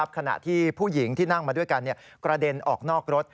ขณะที่ผู้หญิงที่นั่งมาด้วยกันกระเด็นออกนอกรถ